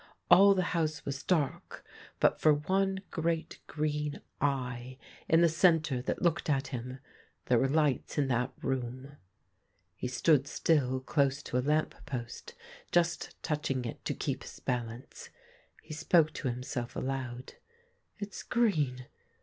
All the house was dark but for one great green eye in the centre that looked at him. There were lights in that room. He stood still close to a lamp post, just touching it to keep his balance. He spoke to himself aloud :' It's green ...